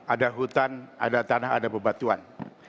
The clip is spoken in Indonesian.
ada hutan ada tanah ada bebatuan